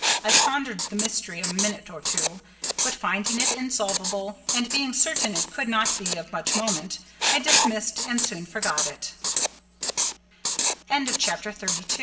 I pondered the mystery a minute or two; but finding it insolvable, and being certain it could not be of much moment, I dismissed, and soon forgot it. CHAPTER XXXIII When Mr. St.